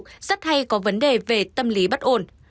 khi hồi phục rất hay có vấn đề về tâm lý bất ổn